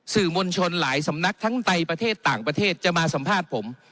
มวลชนหลายสำนักทั้งในประเทศต่างประเทศจะมาสัมภาษณ์ผม